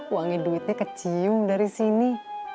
wangi duitnya kecium dari sini